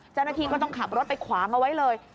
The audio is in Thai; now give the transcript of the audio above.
เจ้าหน้าที่ก็ต้องขับรถไปขวางเอาไว้เลย